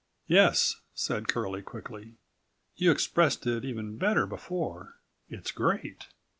"Yes," said Curlie quickly, "you expressed it even better before. It's great!"